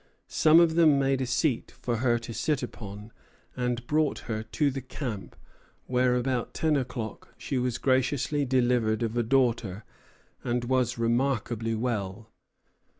"Some of them made a seat for her to sit upon, and brought her to the camp, where, about ten o'clock, she was graciously delivered of a daughter, and was remarkably well....